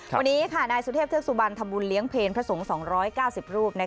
วันนี้ค่ะนายสุเทพเทือกสุบันทำบุญเลี้ยงเพลพระสงฆ์๒๙๐รูป